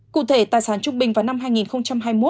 cụ thể tài sản trung bình vào năm hai nghìn hai mươi một